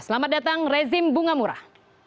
selamat datang rezim bunga murah